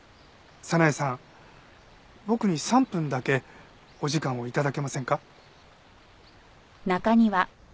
早苗さん僕に３分だけお時間を頂けませんか？